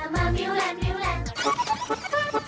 มามิวแลนด์